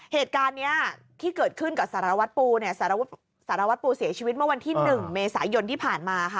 เหตุการณ์นี้ที่เกิดขึ้นกับสารวัตรปูเนี่ยสารวัตรปูเสียชีวิตเมื่อวันที่๑เมษายนที่ผ่านมาค่ะ